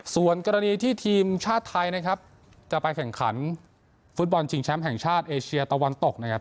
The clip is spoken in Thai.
ส่วนกรณีที่ทีมชาติไทยนะครับจะไปแข่งขันฟุตบอลชิงแชมป์แห่งชาติเอเชียตะวันตกนะครับ